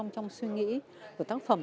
trong suy nghĩ của tác phẩm